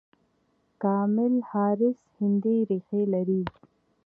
کاملا هاریس هندي ریښې لري.